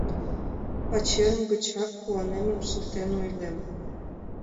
— Пачерем гычак, — куанемым шылтен ойлем.